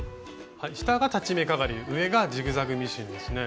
下が裁ち目かがり上がジグザグミシンですね。